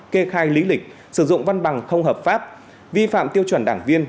kê khai lý lịch sử dụng văn bằng không hợp pháp vi phạm tiêu chuẩn đảng viên